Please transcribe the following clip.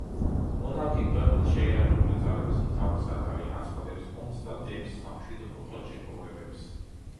მონარქი ქვეყნის შეიარაღებული ძალების მთავარსარდალია, აცხადებს ომს და დებს სამშვიდობო ხელშეკრულებებს.